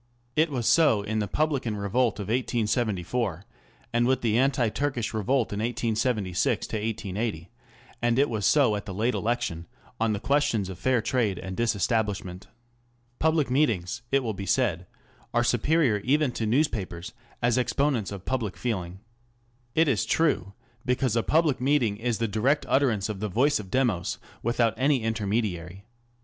It was so with the publican revolt in 1874, and with the anti Turkish revolt in 1876 80, and it was so at the late election on the ques tions of Fair Trade and Disestablishment. Public meetings, it will be said, are superior even to newspapers as exponents of public feeling. It is true, because a public meeting is the direct utterance of the voice of Demos without any intermediary.